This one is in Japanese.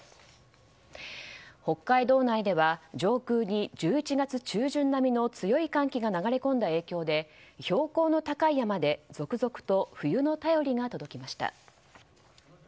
北海道内では上空に１１月中旬並みの強い寒気が流れ込んだ影響で標高の高い山で続々と冬の便りが届きました。